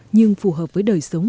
nhưng phù hợp với đời sống